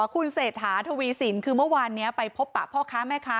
คุณเศรษฐาทวีสินคือเมื่อวานนี้ไปพบปะพ่อค้าแม่ค้า